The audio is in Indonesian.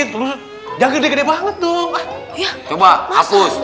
tuh jaga gede banget tuh coba hapus